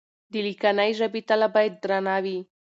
د ليکنۍ ژبې تله بايد درنه وي.